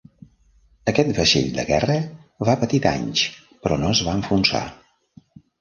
Aquest vaixell de guerra va patir danys però no es va enfonsar.